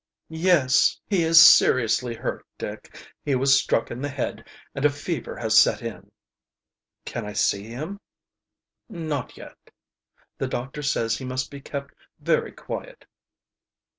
"Yes, he is seriously hurt, Dick. He was struck in the head, and a fever has set in." "Can I see him?" "Not yet. The doctor says he must be kept very quiet."